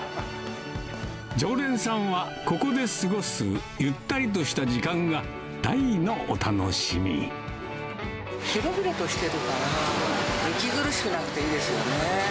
常連さんはここで過ごすゆったりとした時間が、広々としてるからね、息苦しくなくていいですよね。